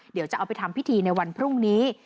เดี๋ยวจะเอาไปทำพิธีในวันพรุ่งนี้